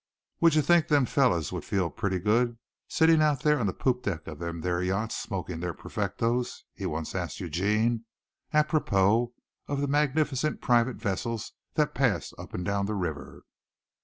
"Wouldja think them fellers would feel purty good sittin' out there on the poop deck of them there yachts smokin' their perfectos?" he once asked Eugene, apropos of the magnificent private vessels that passed up and down the river.